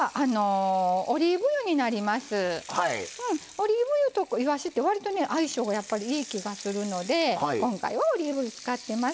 オリーブ油といわしってわりとね相性がいい気がするので今回はオリーブ油使ってます。